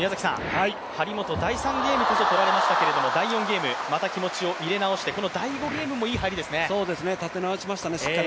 張本、第３ゲームこそ取られましたが第４ゲームまた気持ちを入れ直してこの第５ゲームも立て直しましたねしっかり。